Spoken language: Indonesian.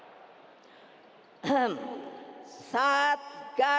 nah kasian ke bunch nggak ada vesibshield data